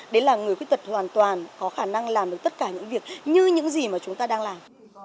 đấy là người khuyết tật hoàn toàn có khả năng làm được tất cả những việc như những gì mà chúng ta đang làm